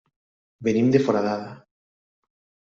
Venim de Foradada.